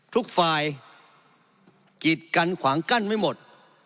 ทุกฝ่ายกิจกันขวางกั้นไม่หมด